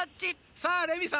さあレミさん